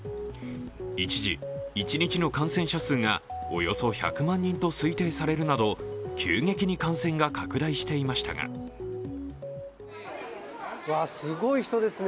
一時、一日の感染者数がおよそ１００万人と推定されるなど急激に感染が拡大していましたがすごい人ですね。